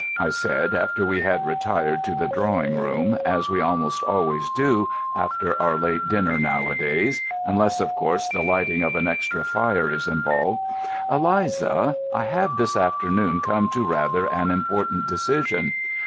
I said, after we had retired to the drawing room, as we almost always do after our late dinner nowadays, unless of course the lighting of an extra fire is involved, "Eliza, I have this afternoon come to rather an important decision.